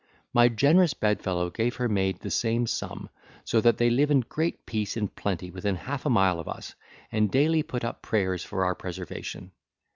My generous bedfellow gave her maid the same sum; so that they live in great peace and plenty within half a mile of us, and daily put up prayers for our preservation.